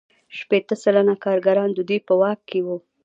شپیته سلنه کارګران د دوی په واک کې وو